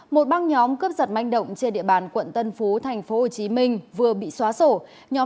một băng nhóm cướp giật manh động trên địa bàn quận tân phú tp hcm vừa bị xóa sổ